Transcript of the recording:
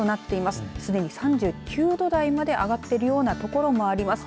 すでに３９度台まで上がっているような所もあります。